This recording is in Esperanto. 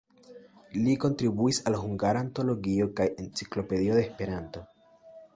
Li kontribuis al "Hungara Antologio" kaj "Enciklopedio de Esperanto".